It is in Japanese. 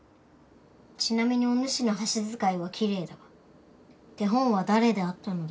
ちなみにおぬしの箸使いはきれいだが手本は誰であったのだ？